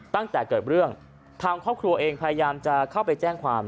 ตั้งแต่เกิดเรื่องทางครอบครัวเองพยายามจะเข้าไปแจ้งความ